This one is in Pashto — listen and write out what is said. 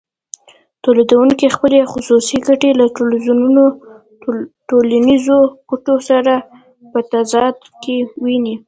تولیدونکی خپلې خصوصي ګټې له ټولنیزو ګټو سره په تضاد کې ویني